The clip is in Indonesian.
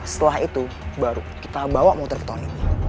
setelah itu baru kita bawa motor ke tori